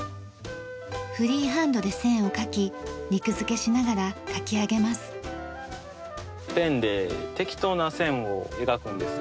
フリーハンドで線を描き肉付けしながら描き上げます。